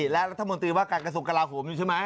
และรัฐมนตรีว่าการกระสุกกระลาโหมอยู่ใช่ไหมครับ